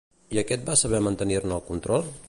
I aquest va saber mantenir-ne el control?